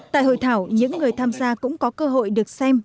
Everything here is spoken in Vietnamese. tại hội thảo những người tham gia cũng có cơ hội được xem